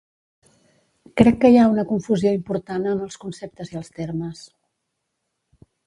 Crec que hi ha una confusió important en els conceptes i els termes.